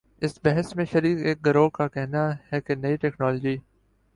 اس بحث میں شریک ایک گروہ کا کہنا ہے کہ نئی ٹیکنالوجی